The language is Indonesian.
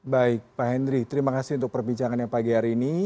baik pak henry terima kasih untuk perbincangannya pagi hari ini